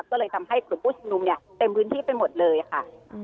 ก็เลยทำให้กลุ่มผู้ชุมนุมเนี่ยเต็มพื้นที่ไปหมดเลยค่ะ